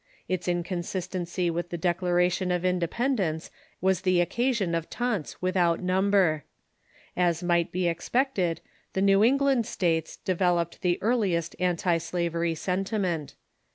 Its incon sistency with the Declaration of Independence was the occa sion of taunts without number. As might be ex Early Protests pgptg^^^ ^ije ^^^^ England States developed the earliest antislavery sentiment.